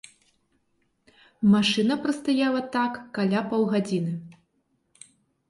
Машына прастаяла так каля паўгадзіны.